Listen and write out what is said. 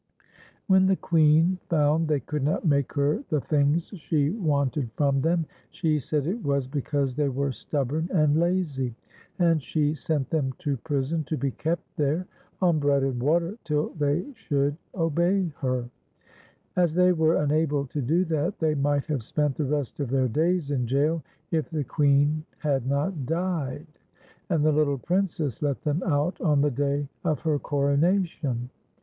When the Queen found they could not make her the things she wanted from them, she said it was TJrSi'S SIIA'EK BELL. 137 because they were stubborn and laz\', and she sent tlicni to prison to be kept there on bread and water till the\ sliou'.d obey her. As thc\ were unable to do that, they might have spent the rest of their dajs in jail, if the Queen had not died, and the little Prin cess let them out on the day of her coronation.